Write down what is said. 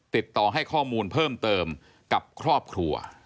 ติดต่อให้ข้อมูลเพิ่มเติมกับครอบครัว